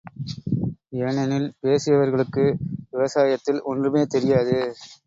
ஏனெனில் பேசியவர்களுக்கு விவசாயத்தில் ஒன்றுமே தெரியாது.